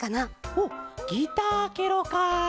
ほうギターケロか。